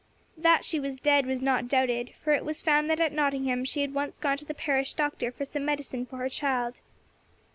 That she was dead was not doubted; for it was found that at Nottingham she had once gone to the parish doctor for some medicine for her child.